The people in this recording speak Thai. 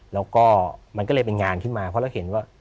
แล้วก็มันก็เลยเป็นงานขึ้นมาเพราะเราเห็นว่า